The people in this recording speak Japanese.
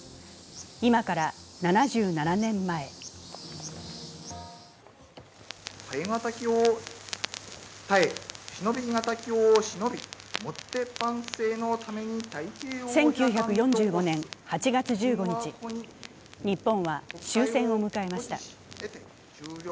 今から７７年前１９４５年８月１５日、日本は終戦を迎えました。